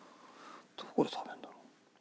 どこで食べるんだろう？